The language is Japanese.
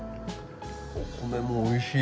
お米も美味しい。